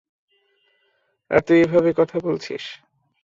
আর তুই এভাবে কথা বলছিস!